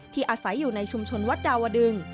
อาศัยอยู่ในชุมชนวัดดาวดึง